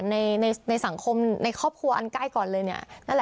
ในในสังคมในครอบครัวอันใกล้ก่อนเลยเนี่ยนั่นแหละ